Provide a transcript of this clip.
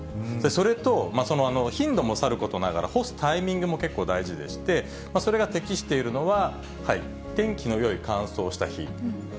それと、頻度もさることながら、干すタイミングも結構大事でして、それが適しているのは、天気のよい乾燥した日。